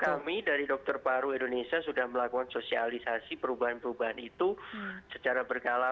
kami dari dokter paru indonesia sudah melakukan sosialisasi perubahan perubahan itu secara berkala